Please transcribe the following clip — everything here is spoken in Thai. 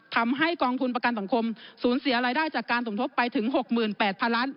ทำให้กองทุนประกันสังคมสูญเสียรายได้จากการสมทบไปถึง๖๘๐๐๐ล้าน